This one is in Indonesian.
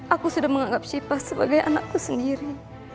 aku sudah menganggap syipas sebagai anakku sendiri